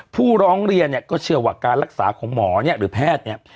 ผู้ร้องเรียนเนี่ยก็เชื่อว่าการรักษาของหมอเนี่ยหรือแพทย์เนี่ย